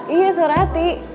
iya suara hati